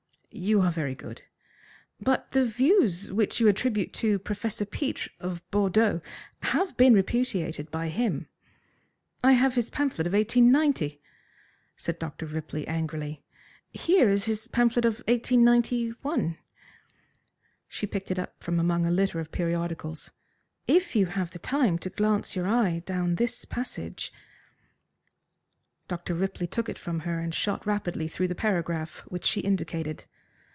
"You are very good." "But the views which you attribute to Professor Pitres, of Bordeaux, have been repudiated by him." "I have his pamphlet of 1890," said Dr. Ripley angrily. "Here is his pamphlet of 1891." She picked it from among a litter of periodicals. "If you have time to glance your eye down this passage " Dr. Ripley took it from her and shot rapidly through the paragraph which she indicated.